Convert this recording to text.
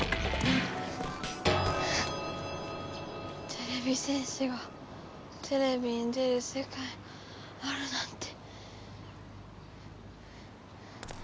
てれび戦士がテレビに出るせかいがあるなんて。